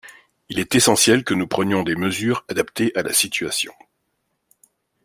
Il est essentiel que nous prenions des mesures adaptées à la situation.